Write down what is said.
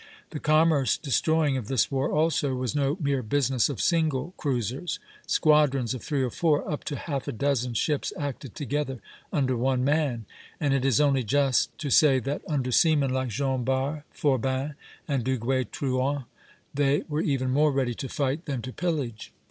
The commerce destroying of this war, also, was no mere business of single cruisers; squadrons of three or four up to half a dozen ships acted together under one man, and it is only just to say that under seamen like Jean Bart, Forbin, and Duguay Trouin, they were even more ready to fight than to pillage.